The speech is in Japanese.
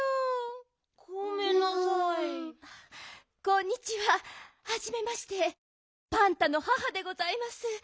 こんにちははじめましてパンタの母でございます。